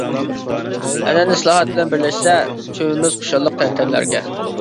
ئەنئەنە ئىسلاھات بىلەن بىرلەشسە، چۆمىمىز خۇشاللىق تەنتەنىلەرگە.